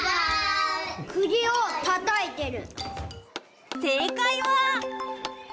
くぎをたたいてる。